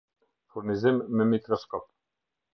Furnizim me Mikroskop